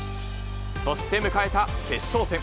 そして迎えた決勝戦。